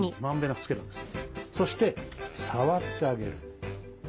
そして触ってあげる。